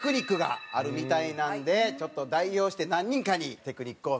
ちょっと代表して何人かにテクニックを見せてもらいます。